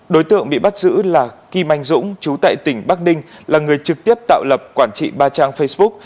đối tượng bị bắt giữ là kim anh dũng chú tại tỉnh bắc ninh là người trực tiếp tạo lập quản trị ba trang facebook